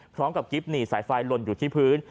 พร้อมกับกิ๊บหนีสายไฟลนอยู่ที่พื้น